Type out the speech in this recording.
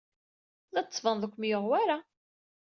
La d-tettbaned ur kem-yuɣ wara.